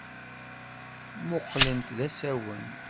Mmuqqlent d asawen.